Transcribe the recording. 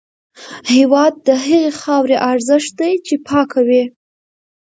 هېواد د هغې خاورې ارزښت دی چې پاکه وي.